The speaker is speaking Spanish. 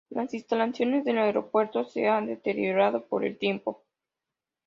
Las instalaciones del aeropuerto se han deteriorado por el tiempo.